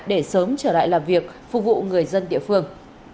để sớm trở lại làm việc phục vụ người dân địa phương